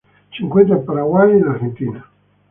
Se encuentra en Paraguay y en Argentina.